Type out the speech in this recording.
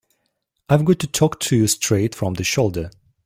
I've got to talk to you straight from the shoulder.